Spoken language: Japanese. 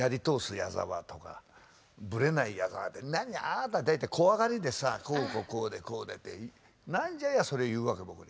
矢沢とかブレない矢沢って何あなた大体怖がりでさこうこうこうでこうで」って何じゃいやそれを言うわけ僕に。